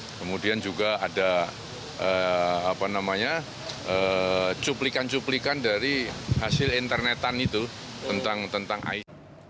kemudian juga ada cuplikan cuplikan dari hasil internetan itu tentang it